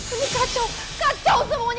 ini kacau kacau semuanya